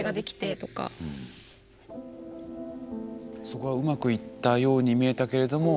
そこがうまくいったように見えたけれども。